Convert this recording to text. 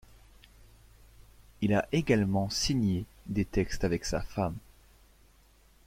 Il a également signé des textes avec sa femme.